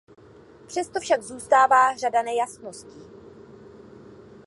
Přesto však zůstává řada nejasností.